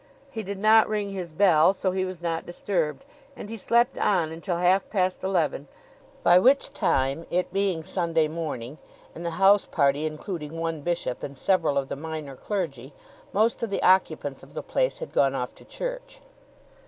He did not ring his bell, so he was not disturbed; and he slept on until half past eleven, by which time, it being Sunday morning and the house party including one bishop and several of the minor clergy, most of the occupants of the place had gone off to church.